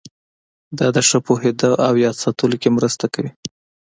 دا د ښه پوهېدو او یاد ساتلو کې مرسته کوي.